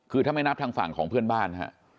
คือถ้าไม่นับทางฝั่งของเพื่อนบ้านฮะ